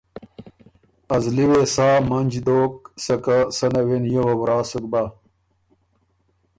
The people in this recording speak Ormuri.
ازلی وې سا منج دوک سکه سنه وې نیووه ورا سُک بَۀ